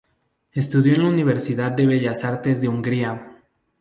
Estudió en la Universidad de Bellas Artes de Hungría.